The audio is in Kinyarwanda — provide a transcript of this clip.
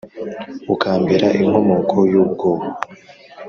ukambera inkomoko y'ubwoba